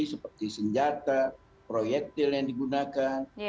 seperti senjata proyektil yang digunakan